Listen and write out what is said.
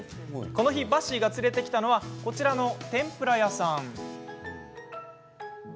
この日バッシーが連れてきたのはこちらの天ぷら屋さん。